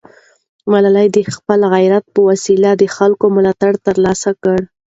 ملالۍ د خپل غیرت په وسیله د خلکو ملاتړ ترلاسه کړ.